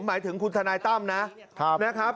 หมายถึงคุณทนายตั้มนะครับ